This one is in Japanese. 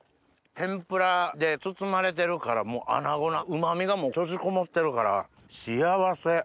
天ぷらで包まれてるからアナゴのうま味が閉じこもってるから幸せ。